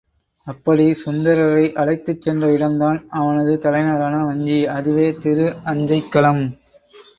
அப்படிச் சுந்தரரை அழைத்துச் சென்ற இடம்தான் அவனது தலைநகரான வஞ்சி, அதுவே திரு அஞ்சைக்களம்.